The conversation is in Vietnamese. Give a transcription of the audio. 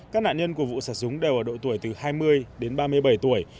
các nạn nhân của vụ sạ súng đều ở độ tuổi từ hai mươi đến ba mươi bảy tuổi